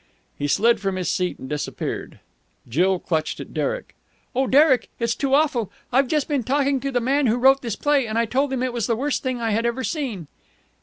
He slid from his seat and disappeared. Jill clutched at Derek. "Oh, Derek, it's too awful. I've just been talking to the man who wrote this play, and I told him it was the worst thing I had ever seen!"